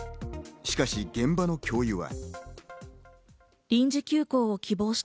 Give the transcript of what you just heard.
しかし現場の教諭は。